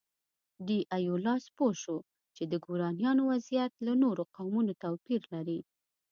ډي ایولاس پوه شو چې د ګورانیانو وضعیت له نورو قومونو توپیر لري.